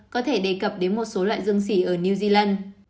có thể đề cập đến một số loại dương sỉ ở new zealand